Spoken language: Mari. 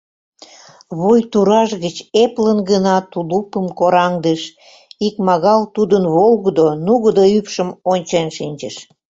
Вуй тураж гыч эплын гына тулупым кораҥдыш, икмагал тудын волгыдо, нугыдо ӱпшым ончен шинчыш.